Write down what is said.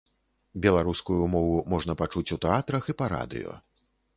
Беларускую мову можна пачуць у тэатрах і па радыё.